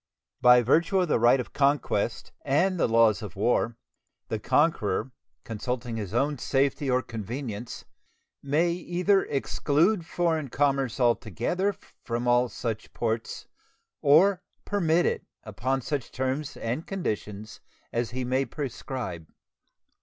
By virtue of the right of conquest and the laws of war, the conqueror, consulting his own safety or convenience, may either exclude foreign commerce altogether from all such ports or permit it upon such terms and conditions as he may prescribe.